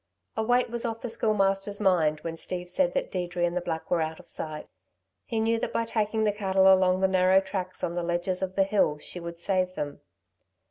A weight was off the Schoolmaster's mind when Steve said that Deirdre and the black were out of sight. He knew that by taking the cattle along the narrow tracks on the ledges of the hills, she would save them.